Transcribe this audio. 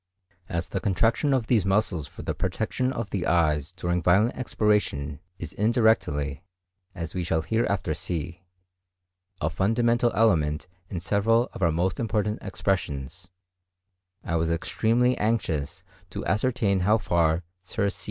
As the contraction of these muscles for the protection of the eyes during violent expiration is indirectly, as we shall hereafter see, a fundamental element in several of our most important expressions, I was extremely anxious to ascertain how far Sir C.